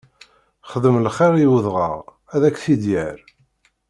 Xdem lxiṛ i udɣaɣ, ad ak-t-id yerr!